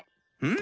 ん！